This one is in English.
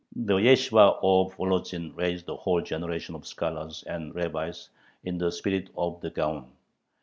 The yeshibah of Volozhin raised a whole generation of scholars and rabbis "in the spirit of the Gaon."